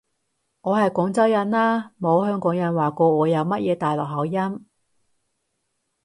我係廣州人啦，冇香港人話過我有乜嘢大陸口音